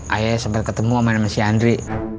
ayah sempat ketemu sama si andri